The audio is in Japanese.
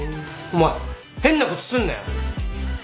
お前変なことすんなよ。